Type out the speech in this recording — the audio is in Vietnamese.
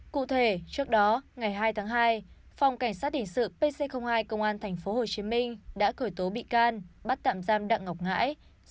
cụ thể trước đó ngày hai tháng hai phòng cảnh sát hình sự pc hai công an tp hcm đã khởi tố bị can bắt tạm giam đặng ngọc ngãi